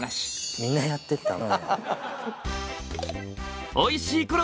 みんなやってたの。